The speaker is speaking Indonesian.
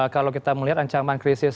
kalau kita melihat ancaman krisis